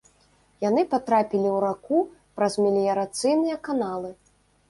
Яны патрапілі ў раку праз меліярацыйныя каналы.